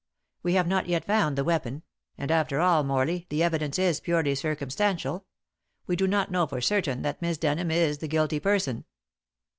We have not yet found the weapon; and after all, Morley, the evidence is purely circumstantial. We do not know for certain that Miss Denham is the guilty person."